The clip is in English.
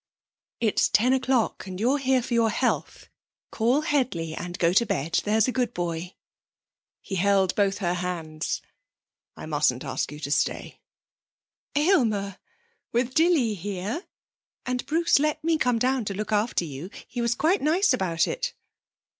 'It's ten o'clock and you're here for your health! Call Headley and go to bed, there's a good boy.' He held both her hands. 'I mustn't ask you to stay.' 'Aylmer! With Dilly here! And Bruce let me come down to look after you! He was quite nice about it.'